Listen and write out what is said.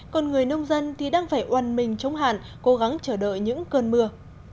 còn người nông dân thì đang phải oan mình chống hạn cố gắng chờ đợi những cơn mưa